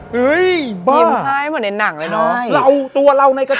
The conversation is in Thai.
เฮ้ยบ้ายิ้มไห้เหมือนในหนังเลยเนอะใช่